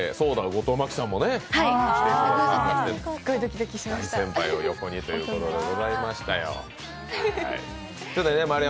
大先輩を横にということもございましたよ。